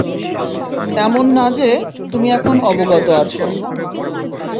এমন না যে, তুমি এখন অবগত আছো।